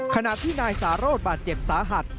ขณะที่นายสาโรธบาดเจ็บสาหัส